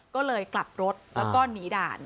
ก็เลยกลับรถแล้วก็หนีด่าน